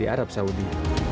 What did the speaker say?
tidak ada apa apa